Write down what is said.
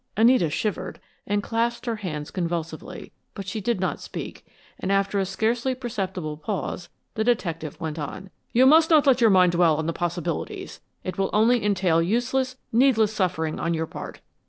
Anita shivered and clasped her hands convulsively, but she did not speak, and after a scarcely perceptible pause, the detective went on: "You must not let your mind dwell on the possibilities; it will only entail useless, needless suffering on your part.